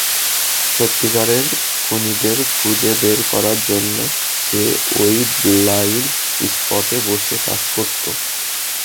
সত্যিকারের খুনিদের খুঁজে বের করার জন্য সে ওই ব্লাইন্ড স্পটে বসে কাজ করত।